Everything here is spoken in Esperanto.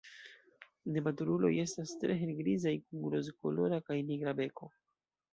Nematuruloj estas tre helgrizaj kun rozkolora kaj nigra beko.